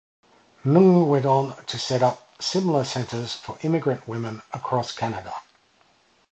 Ng went on to set up similar centres for immigrant women across Canada.